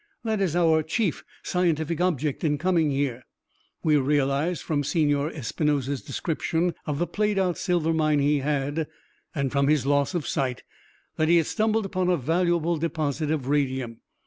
That is our chief scientific object in coming here: we realized, from Senor Espinosa's description of the played out silver mine he had, and from his loss of sight, that he had stumbled upon a valuable deposit of radium.